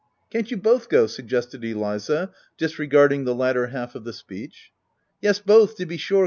" Can't you both go?" suggested Eliza, dis regarding the latter half of the speech. "Yes, both to be sure